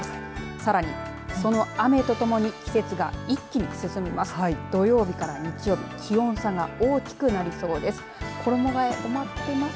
さらに、その雨とともに季節が一気に進みます。